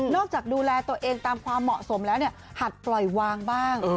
จากดูแลตัวเองตามความเหมาะสมแล้วหัดปล่อยวางบ้าง